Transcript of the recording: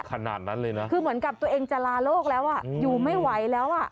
คือเหมือนกับตัวเองจะลาโลกแล้วอยู่ไม่ไหวแล้ว